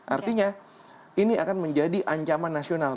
artinya ini akan menjadi ancaman nasional